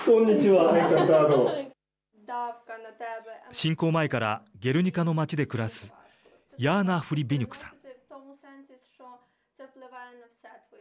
侵攻前からゲルニカの町で暮らすヤーナ・フリヴニュクさん。